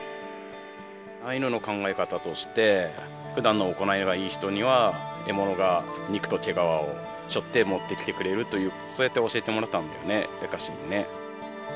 アイヌの考え方として、ふだんの行いがいい人には、獲物が肉と毛皮をしょって持ってきてくれるという、そうやって教えてもらったんだよね、エカシにね。